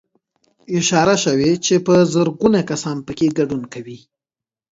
اشاره شوې چې په زرګونه کسان پکې ګډون کوي